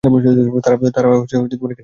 তারা এখানে কী করছে?